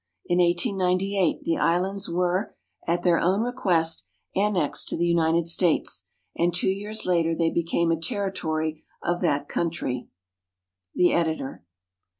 In 1898, the islands were, at their own request, annexed to the United States, and two years later they became a Territory of that country. The Editor.